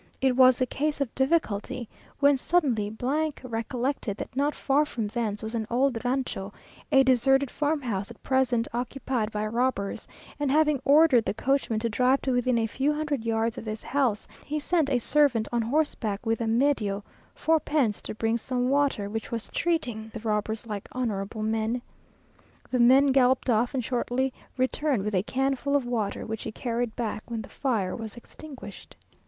It was a case of difficulty; when suddenly recollected that not far from thence was an old rancho, a deserted farmhouse at present occupied by robbers; and having ordered the coachman to drive to within a few hundred yards of this house, he sent a servant on horse back with a medio (fourpence) to bring some water, which was treating the robbers like honourable men. The man galloped off, and shortly returned with a can full of water, which he carried back when the fire was extinguished.